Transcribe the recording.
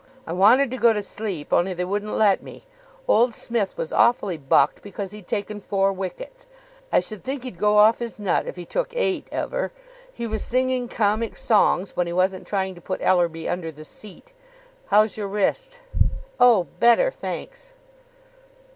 I wanted to go to sleep, only they wouldn't let me. Old Smith was awfully bucked because he'd taken four wickets. I should think he'd go off his nut if he took eight ever. He was singing comic songs when he wasn't trying to put Ellerby under the seat. How's your wrist?" "Oh, better, thanks."